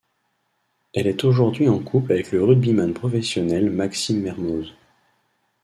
Elle est aujourd'hui en couple avec le rugbyman professionnel Maxime Mermoz.